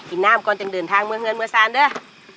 เออเอากินหน้ามือเงินมือสานเดิน